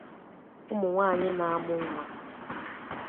ụmụnwaanyị na-amụ nwa